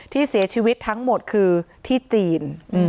ที่เสียชีวิตทั้งหมดคือที่จีน